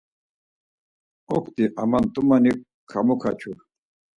Okti amamtumani kamukaçu.